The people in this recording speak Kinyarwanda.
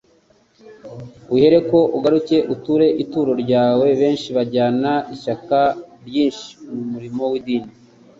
uhereko ugaruke uture ituro ryawe.» Benshi bajyana ishyaka ryinshi mu murimo w'idini,